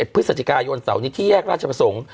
พฤศจิกายนเสาร์นี้ที่แยกราชประสงค์